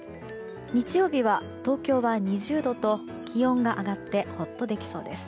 日曜日は東京は２０度と気温が上がってほっとできそうです。